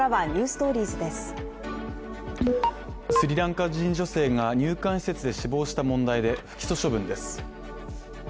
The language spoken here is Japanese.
スリランカ人女性が入管施設で死亡した問題で不起訴処分です。